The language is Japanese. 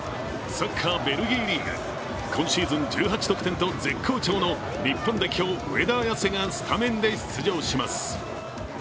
サッカーベルギーリーグ、今シーズン１８得点と絶好調の日本代表、上田綺世がスタメンで出場します。